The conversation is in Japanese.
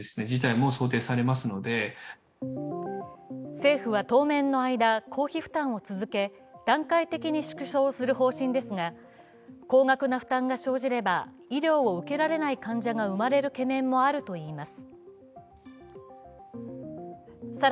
政府は当面の間、公費負担を続け、段階的に縮小する方針ですが高額な負担が生じれば医療を受けられない患者が生まれる懸念もあるといいます。